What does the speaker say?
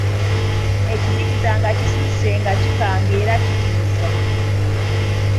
Ekizikiza nga kisusse nga kikanga era kitiisa.